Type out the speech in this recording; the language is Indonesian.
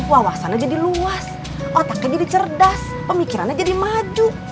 wawasannya jadi luas otaknya jadi cerdas pemikirannya jadi maju